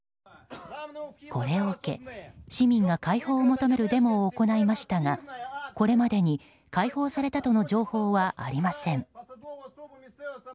これを受け、市民が解放を求めるデモを行いましたがこれまでに解放されたとの情報はありません。